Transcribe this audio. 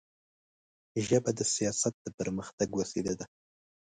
ژبه د سیاست د پرمختګ وسیله ده